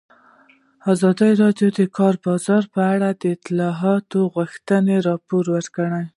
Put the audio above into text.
ازادي راډیو د د کار بازار په اړه د اصلاحاتو غوښتنې راپور کړې.